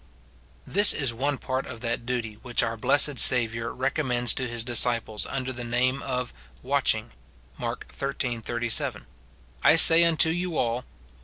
This is one part of that duty v/hich our blessed Sa viour recommends to his disciples under the name of wateJmig : Mark xiii. 37, "I say unto you all.